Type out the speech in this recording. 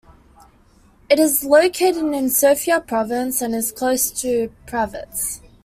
It is located in Sofia Province and is close to Pravets.